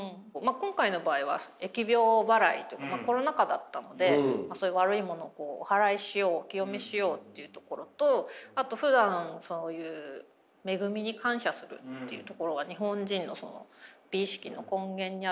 今回の場合は疫病ばらいコロナ禍だったのでそういう悪いものをおはらいしようお清めしようっていうところとあとふだんそういう恵みに感謝するっていうところが日本人の美意識の根源にあるので。